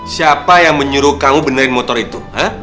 siapa yang menyuruh kamu benahin motor itu